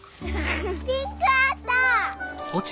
ピンクあった！